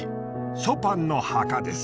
ショパンの墓です。